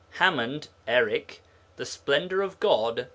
HAMMOND, ERIC. The Splendour of God.